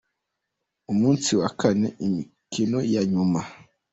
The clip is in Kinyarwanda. Umunsi wa kane: Imikino ya nyuma.